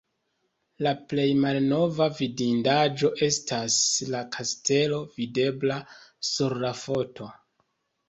La plej malnova vidindaĵo estas la kastelo videbla sur la foto.